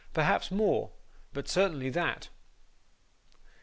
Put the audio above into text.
Perhaps more, but certainly that.